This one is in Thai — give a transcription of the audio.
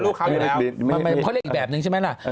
เขาเรียกอีกแบบหนึ่งใช่ไหมล่ะ